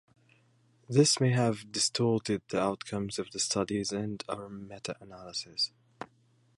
This may have distorted the outcomes of the studies and our meta-analysis.